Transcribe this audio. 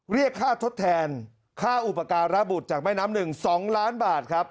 เรียกค่าทดแทนค่าอุปการบุตรจากแม่น้ำหนึ่ง๒ล้านบาทครับ